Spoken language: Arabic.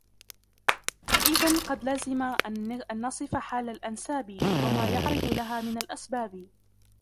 فَإِذَنْ قَدْ لَزِمَ أَنْ نَصِفَ حَالَ الْأَنْسَابِ ، وَمَا يَعْرِضُ لَهَا مِنْ الْأَسْبَابِ